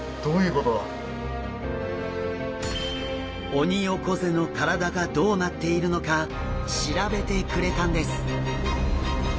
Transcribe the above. オニオコゼの体がどうなっているのか調べてくれたんです。